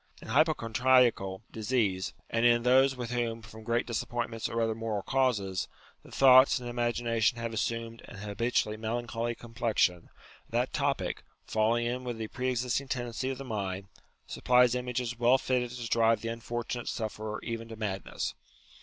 In hypochondriacal disease, and in those with whom, from great disappointments or other moral causes, the thoughts and imagination have assumed an habitually melancholy complexion, that topic, falling in with the pre existing tendency of the mind, supplies images well fitted to drive the unfortunate sufferer even to madness.